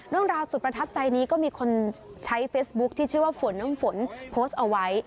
เรื่องราวสุดประทับใจนี้ก็มีคนใช้เฟซบุ๊คที่ชื่อว่าฝนน้ำฝนโพสต์เอาไว้